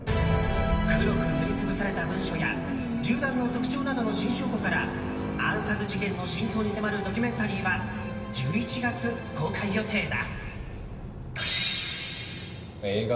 黒く塗り潰された文書や銃弾の特徴などの新証拠から暗殺事件の真相に迫るドキュメンタリーは１１月公開予定だ。